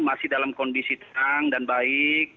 masih dalam kondisi tenang dan baik